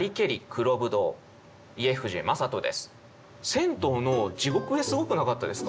銭湯の地獄絵すごくなかったですか？